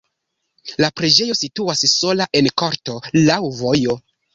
La preĝejo situas sola en korto laŭ vojo.